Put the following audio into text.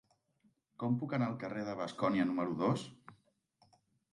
Com puc anar al carrer de Bascònia número dos?